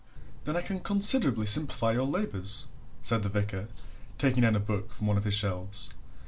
"Then I can considerably simplify your labours," said the vicar, taking down a book from one of his shelves.